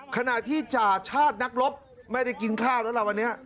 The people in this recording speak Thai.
ขณะที่จ่าชาตินักรบไม่ได้กินข้าวแล้วล่ะวันนี้